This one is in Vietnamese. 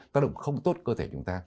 tác động không tốt cơ thể chúng ta